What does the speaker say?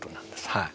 はい。